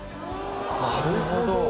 なるほど。